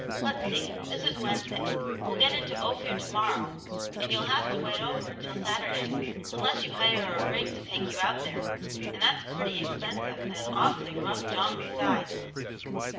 Let's see, this is Wednesday; we'll get into Ophir to morrow, and you'll have to wait over until Saturday, unless you hire a rig to take you out there, and that's pretty expensive and an awfully rough jaunt besides."